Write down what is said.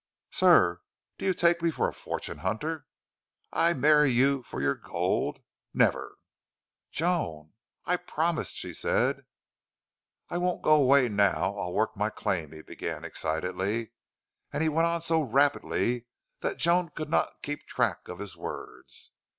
"Sir! Do you take me for a fortune hunter? I marry you for your gold? Never!" "Joan!" "I've promised," she said. "I won't go away now. I'll work my claim," he began, excitedly. And he went on so rapidly that Joan could not keep track of his words.